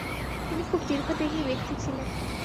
তিনি খুব দীর্ঘদেহী ব্যক্তি ছিলেন।